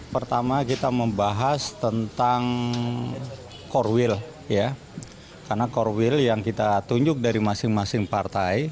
pertama kita membahas tentang core will karena core will yang kita tunjuk dari masing masing partai